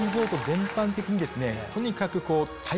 全般的にとにかく。